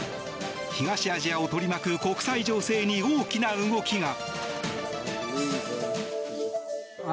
東アジアを取り巻く国際情勢に大きな動きが。